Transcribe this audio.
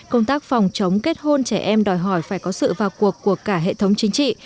công tác phòng chống kết hôn trẻ em đòi hỏi phải có sự vào cuộc của cả hệ thống chính trị